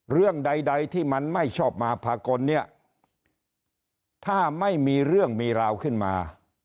เรื่องใดที่มันไม่ชอบมาพากลเนี่ยถ้าไม่มีเรื่องมีราวขึ้นมา